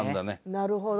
なるほど。